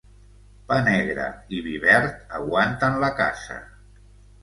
Pa negre i vi verd aguanten la casa.